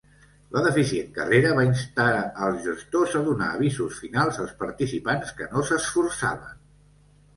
La deficient carrera va instar als gestors a donar "avisos finals" als participants que no s'esforçaven.